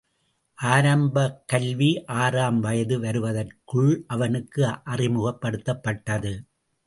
ஆரம்பக்கல்வி ஆறாம் வயது வருவதற்குள் அவனுக்கு அறிமுகப்படுத்தப்பட்டது.